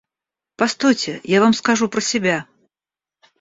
Постойте, я вам скажу про себя.